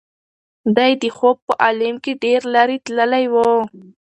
دی د خوب په عالم کې ډېر لرې تللی و.